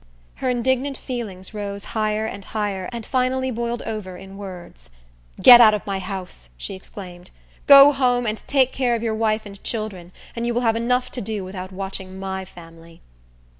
Her indignant feelings rose higher and higher, and finally boiled over in words. "Get out of my house!" she exclaimed. "Go home, and take care of your wife and children, and you will have enough to do, without watching my family."